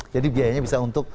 jadi biayanya bisa untuk